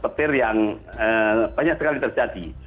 petir yang banyak sekali terjadi